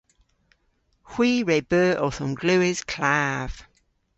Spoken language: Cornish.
Hwi re beu owth omglewas klav.